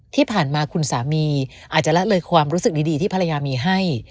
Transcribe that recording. ที่ผ่านมาคุณสามีอาจจะละเลยความรู้สึกดีที่ภรรยามีให้